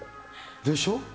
でしょ。